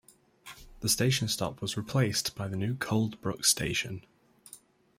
The station stop was replaced by the new Cold Brook Station.